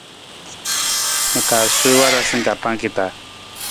Ma kaa suwii warasa ka pangki ta.